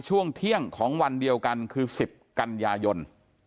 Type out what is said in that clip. ช่วงเที่ยงของวันเดียวกันคือ๑๐กันยายน